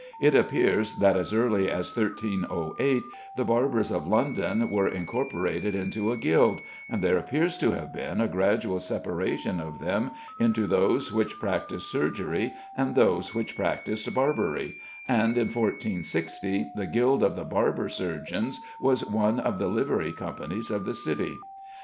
It appears that as early as 1308 the barbers of London were incorporated into a guild, and there appears to have been a gradual separation of them into those which practised surgery and those which practised barbery, and in 1460 the Guild of the Barber Surgeons was one of the livery companies of the City.